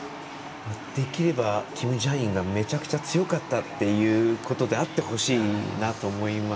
できればキム・ジャインがめちゃくちゃ強かったということであってほしいと思います。